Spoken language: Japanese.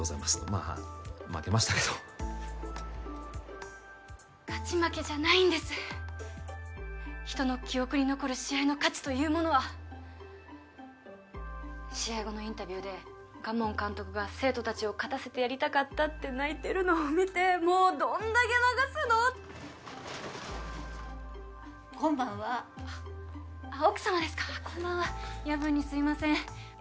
まあ負けましたけど勝ち負けじゃないんです人の記憶に残る試合の価値というものは試合後のインタビューで賀門監督が生徒達を勝たせてやりたかったって泣いてるのを見てもうどんだけ泣かすのこんばんはあっあっ奥様ですかこんばんは夜分にすいません越山高校の山住です